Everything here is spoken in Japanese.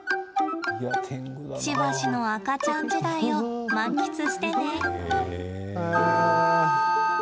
しばしの赤ちゃん時代を満喫してね。